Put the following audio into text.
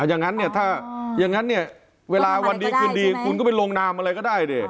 อย่างนั้นเวลาวันนี้คือดีคุณก็ไปลงนามอะไรก็ได้